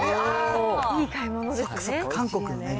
いい買い物ですね。